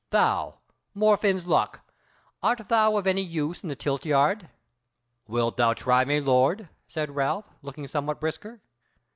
Thou! Morfinn's luck! art thou of any use in the tilt yard?" "Wilt thou try me, lord?" said Ralph, looking somewhat brisker.